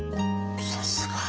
さすが。